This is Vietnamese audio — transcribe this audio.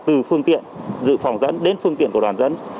từ phương tiện dự phòng dẫn đến phương tiện của đoàn dẫn